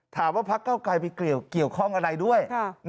ถามว่าพักเก้าไกลมีเกี่ยวข้องกับอะไรด้วย